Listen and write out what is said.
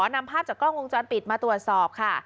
นำภาพจากกล้องวงจรปิดมาตรวจสอบค่ะ